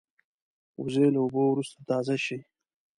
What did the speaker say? وزې له اوبو وروسته تازه شي